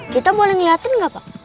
kita boleh ngeliatin nggak pak